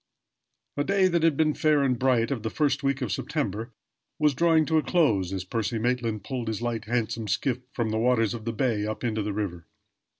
A day that had been fair and bright, of the first week of September, was drawing to a close as Percy Maitland pulled his light, handsome skiff from the waters of the bay up into the river.